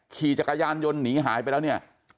ขี่จักรยานยนต์หนีหายไปแล้วเนี่ย